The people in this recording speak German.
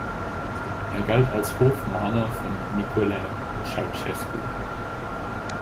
Er galt als Hofmaler von Nicolae Ceaușescu.